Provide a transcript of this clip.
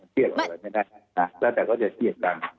เครียดอะไรไม่ได้นะแล้วแต่ก็จะเครียดกัน